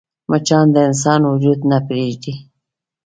مچان د انسان وجود نه پرېږدي